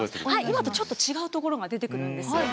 今とちょっと違うところが出てくるんですよ。